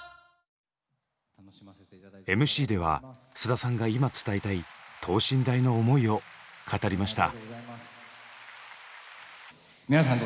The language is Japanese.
ＭＣでは菅田さんが今伝えたい等身大の思いを語りました。